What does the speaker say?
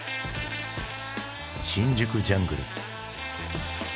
「新宿ジャングル」。